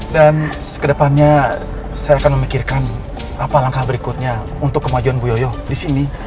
dan kedepannya saya akan memikirkan apa langkah berikutnya untuk kemajuan bu yoyo di sini